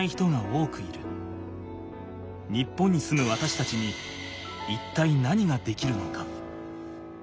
日本に住むわたしたちに一体何ができるのか？